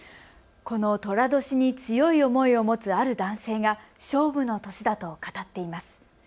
この、とら年に強い思いを持つある男性が勝負の年だと語っています。